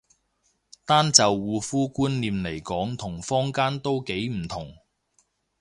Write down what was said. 單就護膚觀念嚟講同坊間都幾唔同